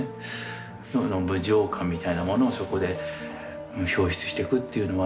世の無常観みたいなものをそこで表出していくっていうのは。